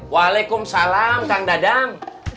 waalaikumsalam kang dadang